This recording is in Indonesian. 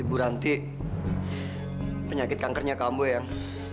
ibu ranti penyakit kankernya kamu eyang